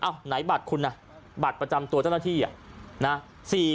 เอาไหนบัตรคุณนะเบาบัตรประจำตัวเจ้าหน้าที่